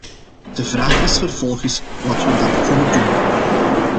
De vraag is vervolgens wat we dan kunnen doen.